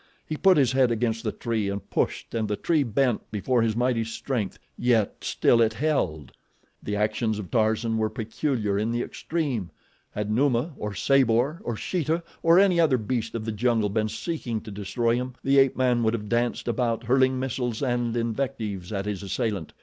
He put his head against the tree and pushed and the tree bent before his mighty strength; yet still it held. The actions of Tarzan were peculiar in the extreme. Had Numa, or Sabor, or Sheeta, or any other beast of the jungle been seeking to destroy him, the ape man would have danced about hurling missiles and invectives at his assailant.